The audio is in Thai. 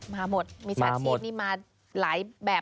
มาหมดมีสัตว์ชีพนี่มาหลายแบบ